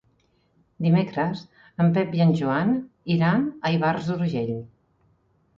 Dimecres en Pep i en Joan iran a Ivars d'Urgell.